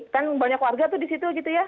kan banyak warga tuh di situ gitu ya